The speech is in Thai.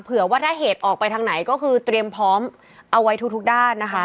เผื่อว่าถ้าเหตุออกไปทางไหนก็คือเตรียมพร้อมเอาไว้ทุกด้านนะคะ